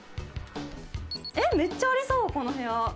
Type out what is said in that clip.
えっめっちゃありそうこの部屋。